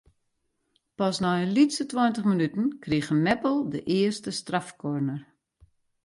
Pas nei in lytse tweintich minuten krige Meppel de earste strafkorner.